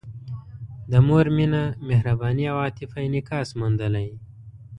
د مور مینه، مهرباني او عاطفه انعکاس موندلی.